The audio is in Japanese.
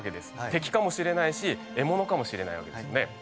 敵かもしれないし獲物かもしれないわけですよね。